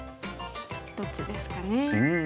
どっちですかね。